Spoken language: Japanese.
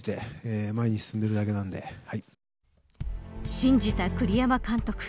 信じた栗山監督。